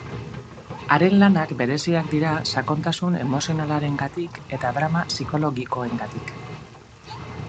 Haren lanak bereziak dira sakontasun emozionalarengatik eta drama psikologikoengatik.